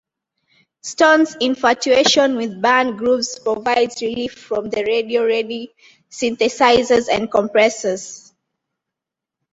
Stone's infatuation with band grooves provides relief from the radio-ready synthesizers and compressors.